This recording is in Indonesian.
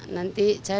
nanti saya jual